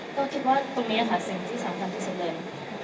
ก็คิดว่าตรงนี้ค่ะสิ่งที่สำคัญที่สุดเลย